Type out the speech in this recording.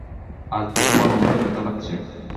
আজ দেখি মনের মধ্যে ব্যথা লাগছে।